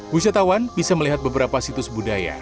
wisatawan bisa melihat beberapa situs budaya